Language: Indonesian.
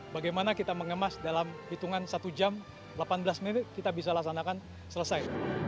bagaimana kita mengemas dalam hitungan satu jam delapan belas menit kita bisa laksanakan selesai